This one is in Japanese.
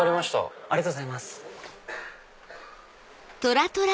ありがとうございます。